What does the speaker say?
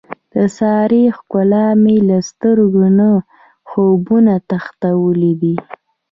د سارې ښکلا مې له سترګو نه خوبونه تښتولي دي.